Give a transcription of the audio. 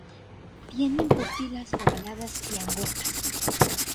Tienen pupilas ovaladas y angostas.